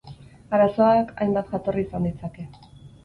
Arazoak hainbat jatorri izan ditzake.